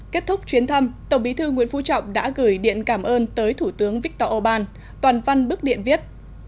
kết thúc chuyến thăm tổng bí thư nguyễn phú trọng đã gửi điện cảm ơn tới thủ tướng viktor orbán toàn văn bức điện viết